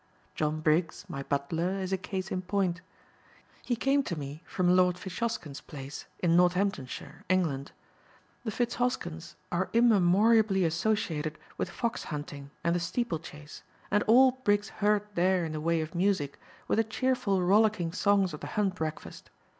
John Briggs, my butler, is a case in point. He came to me from Lord Fitzhosken's place in Northamptonshire, England. The Fitzhoskens are immemoriably associated with fox hunting and the steeple chase and all Briggs heard there in the way of music were the cheerful rollicking songs of the hunt breakfast.